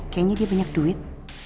kayaknya dia banyak duit